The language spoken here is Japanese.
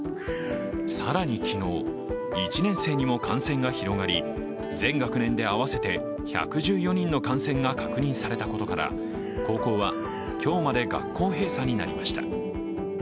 更に昨日、１年生にも感染が広がり全学年で合わせて１１４人の感染が確認されたことから、高校は今日まで学校閉鎖になりました。